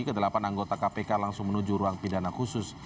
kedelapan anggota kpk langsung menuju ruang pidana khusus